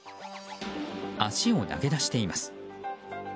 足を投げ出しています。